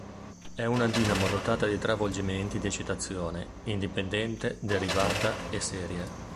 Era una dinamo dotata di tre avvolgimenti di eccitazione: indipendente, derivata e serie.